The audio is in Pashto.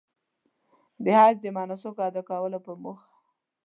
د حج د مناسکو ادا کولو په موخه.